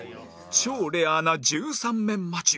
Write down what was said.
超レアな１３面待ち